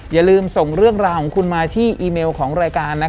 อย่าลืมส่งเรื่องราวของคุณมาที่อีเมลของรายการ